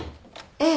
ええ。